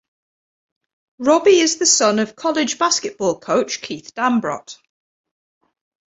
Robby is the son of college basketball coach Keith Dambrot.